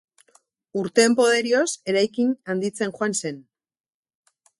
Urteen poderioz, eraikin handitzen joan zen.